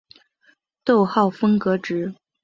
逗号分隔值。